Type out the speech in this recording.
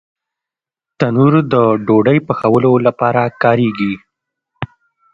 تنور د ډوډۍ پخولو لپاره کارېږي